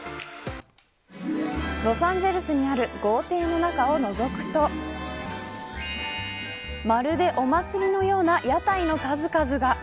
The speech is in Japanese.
ロサンゼルスにある豪邸の中をのぞくとまるでお祭りのような屋台の数々が。